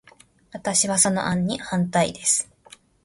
私は、その案に反対です。